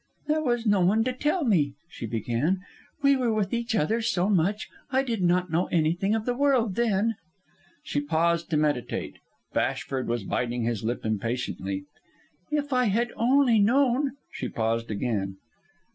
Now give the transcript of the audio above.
"There was no one to tell me," she began. "We were with each other so much. I did not know anything of the world then." She paused to meditate. Bashford was biting his lip impatiently. "If I had only known " She paused again.